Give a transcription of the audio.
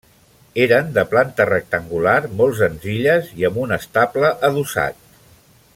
Eren de planta rectangular, molt senzilles, i amb un estable adossat.